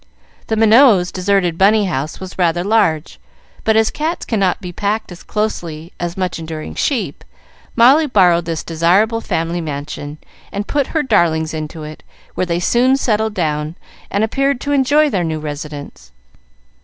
The Minots' deserted Bunny house was rather large; but as cats cannot be packed as closely as much enduring sheep, Molly borrowed this desirable family mansion, and put her darlings into it, where they soon settled down, and appeared to enjoy their new residence.